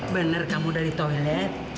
bener kamu dari toilet